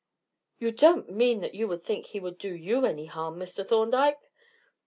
"You don't mean that you think he would do you any harm, Mr. Thorndyke?"